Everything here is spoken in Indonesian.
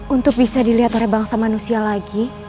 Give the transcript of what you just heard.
untuk bisa dilihat oleh bangsa manusia lagi